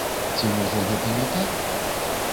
Ці, можа, гэта не так?